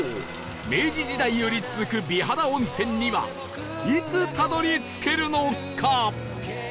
明治時代より続く美肌温泉にはいつたどり着けるのか？